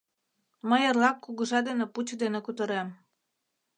Мый эрлак кугыжа дене пуч дене кутырем.